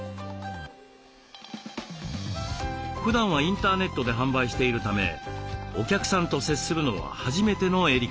ふだんはインターネットで販売しているためお客さんと接するのは初めてのエリカさん。